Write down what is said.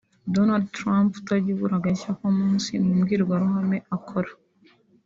Donald Trump utajya abura agashya k’umunsi mu mbwirwaruhame akora